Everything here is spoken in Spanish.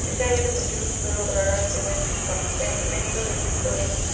Ese año Deportivo Quito lograría el primer bicampeonato de su historia.